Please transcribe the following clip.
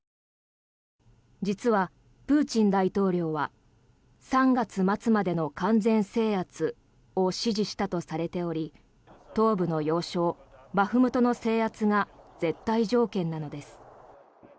実は、プーチン大統領は３月末までの完全制圧を指示したとされており東部の要衝バフムトの制圧が絶対条件なのです。